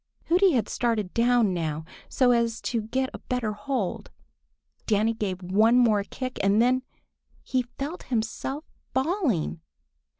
Hooty had started down now, so as to get a better hold. Danny gave one more kick and then—he felt himself falling!